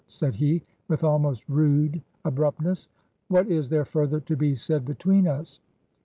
said he, with almost rude abruptness. 'What is there further to be said between us?'